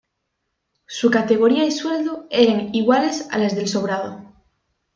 Su categoría y sueldo eran iguales a las del sobrado.